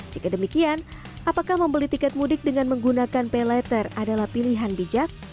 jika demikian apakah membeli tiket mudik dengan menggunakan pay letter adalah pilihan bijak